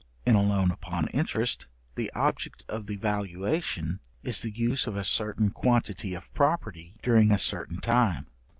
In a loan upon interest, the object of the valuation is the use of a certain quantity of property during a certain time.